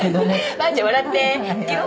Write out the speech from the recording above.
ばあちゃん笑っていくよ